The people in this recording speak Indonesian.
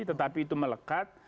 tetapi itu melekat